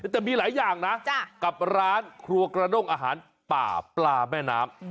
แต่มีหลายอย่างนะกับร้านครัวกระด้งอาหารป่าปลาแม่น้ำ